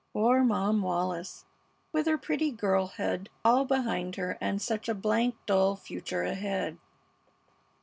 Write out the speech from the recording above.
Poor Mom Wallis, with her pretty girlhood all behind her and such a blank, dull future ahead!